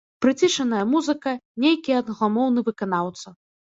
Прыцішаная музыка, нейкі англамоўны выканаўца.